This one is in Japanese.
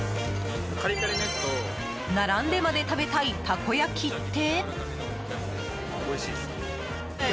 並んでまで食べたいたこ焼きって？